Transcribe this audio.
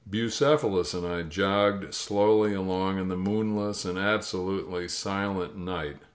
Bucephalus and I jogged slowly along in the moon less and absolutely silent night.